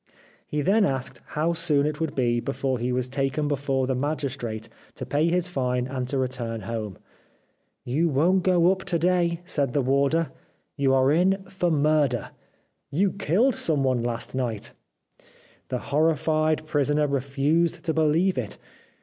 He y 337 The Life of Oscar Wilde then asked how soon it would be before he was taken before the magistrate to pay his fine and to return home. ' You won't go up to day,' said the warder. ' You are in for murder. You killed someone last night !' The horrified prisoner refused to believe it.